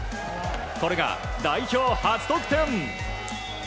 これが代表初得点。